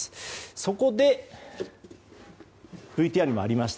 そこでＶＴＲにもありました